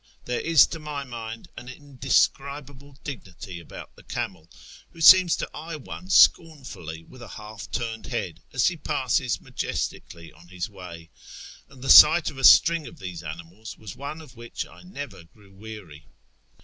There is to my mind an indescribable dignity about the camel, who seems to eye one scornfully with half turned head as he passes majestically on his way ; and the sight of a string of these animals was one of which I never grew weary.